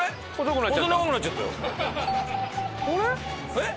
えっ？